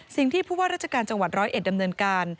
สิ่งที่ผู้ว่าราชการจังหวัด๑๐๑ดำเนินการ